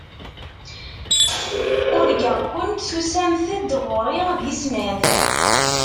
Urgaɣ-kent tusamt-d ɣur-i di snat.